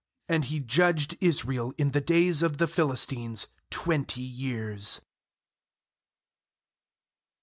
20And he judged Israel in the days of the "^hiBstines twenty years.